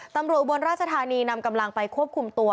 ตำรวจอุบรรณราชธานีนำกำลังไปควบคุมตัว